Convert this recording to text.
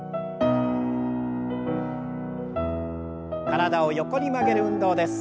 体を横に曲げる運動です。